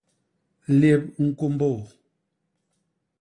Lép u ñkômbô.